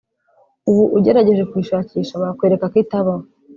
ubu ugerageje kuyishakisha bakwereka ko itabaho